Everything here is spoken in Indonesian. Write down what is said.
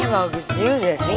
ide nya bagus juga sih